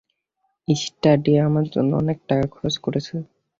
Sturdy আমার জন্য অনেক টাকা খরচ করেছে।